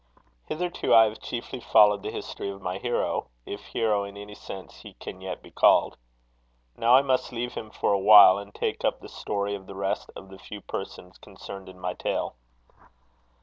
Hitherto I have chiefly followed the history of my hero, if hero in any sense he can yet be called. Now I must leave him for a while, and take up the story of the rest of the few persons concerned in my tale.